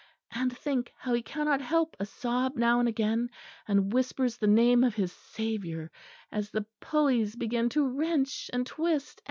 And think how he cannot help a sob now and again; and whispers the name of his Saviour, as the pulleys begin to wrench and twist.